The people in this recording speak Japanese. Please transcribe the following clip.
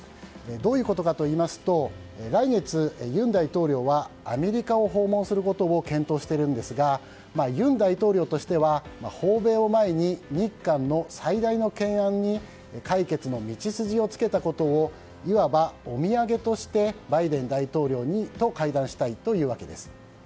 どういうことかといいますと来月、尹大統領はアメリカを訪問することを検討しているんですが尹大統領としては、訪米を前に日韓の最大の懸案に解決の道筋をつけたことをいわばお土産としてバイデン大統領と会談したいというわけです。